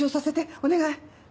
お願い！